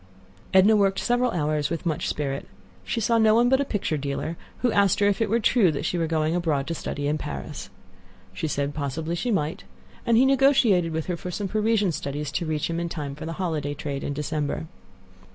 Edna worked several hours with much spirit. She saw no one but a picture dealer, who asked her if it were true that she was going abroad to study in Paris. She said possibly she might, and he negotiated with her for some Parisian studies to reach him in time for the holiday trade in December.